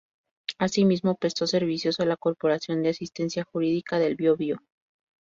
Asimismo, prestó servicios a la Corporación de Asistencia Jurídica del Bío-Bío.